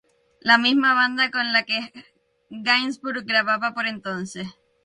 La misma banda con la que Gainsbourg grababa por entonces.